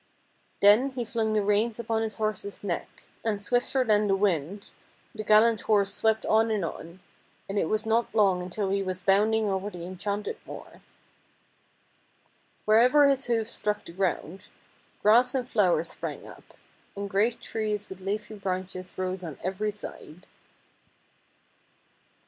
Then he flung the reins upon his horse's neck, and swifter than the wind the gallant horse swept on and on, and it was not long until he was bounding over the enchanted moor. Wherever his hoofs struck the ground, grass and flowers sprang up, and great trees with leafy branches rose on every side.